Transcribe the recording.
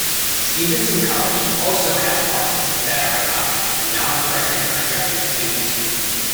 Stevenson College also has apartments that are an option for non-freshman undergraduate students.